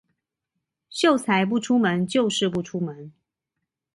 秀才不出門就是不出門